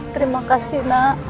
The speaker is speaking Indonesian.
terima kasih nak